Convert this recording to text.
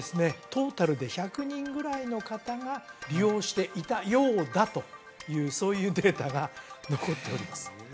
トータルで１００人ぐらいの方が利用していたようだというそういうデータが残っております